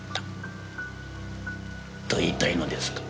と言いたいのですか？